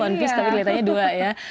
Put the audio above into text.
ya one piece tapi kelihatannya dua ya